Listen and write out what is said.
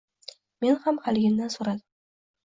Men ham haligindan so‘radim.